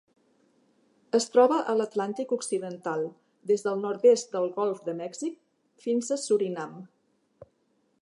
Es troba a l'Atlàntic occidental: des del nord-est del golf de Mèxic fins a Surinam.